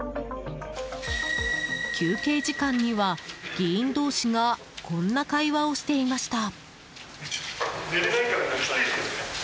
休憩時間には、議員同士がこんな会話をしていました。